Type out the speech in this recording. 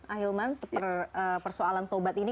ahilman persoalan taubat ini